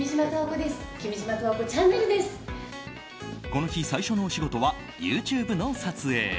この日、最初のお仕事はＹｏｕＴｕｂｅの撮影。